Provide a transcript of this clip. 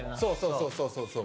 そうそうそうそう。